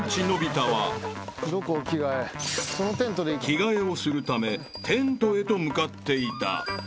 ［着替えをするためテントへと向かっていた］